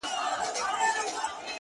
د زړگي غوښي مي د شپې خوراك وي _